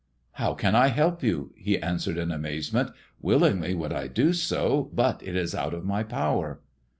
" How can I help you ?" he answered, in amazemenfr^ " willingly would I do so, but it is out of my power."